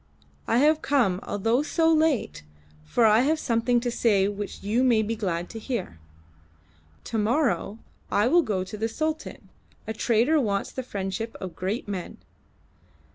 I have come, although so late, for I have something to say which you may be glad to hear. To morrow I will go to the Sultan; a trader wants the friendship of great men.